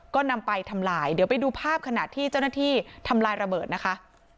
ก็นำไปทำลายเดี๋ยวไปดูภาพขณะที่เจ้าหน้าที่ทำลายระเบิดนะคะ